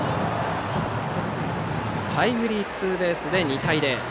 タイムリーツーベースで２対０。